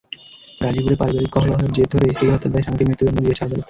গাজীপুরে পারিবারিক কলহের জের ধরে স্ত্রীকে হত্যার দায়ে স্বামীকে মৃত্যুদণ্ড দিয়েছেন আদালত।